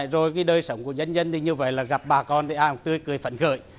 rồi đời sống của dân dân thì như vậy là gặp bà con thì ai cũng tươi cười phấn khởi